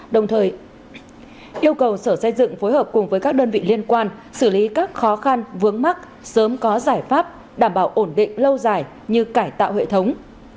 đồng thời yêu cầu sở xây dựng phối hợp cùng với các đơn vị liên quan xử lý các khó khăn vướng mắt sớm có giải pháp đảm bảo ổn định lâu dài như cải tạo hệ thống